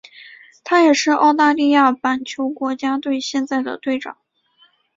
他也是澳大利亚板球国家队现在的队长。